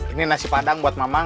ini nasi padang buat mamang